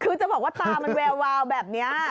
คือจะบอกว่าตามันแวววาวแบบนี้